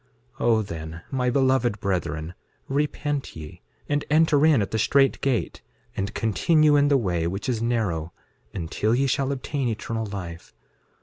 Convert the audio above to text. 6:11 O then, my beloved brethren, repent ye, and enter in at the strait gate, and continue in the way which is narrow, until ye shall obtain eternal life.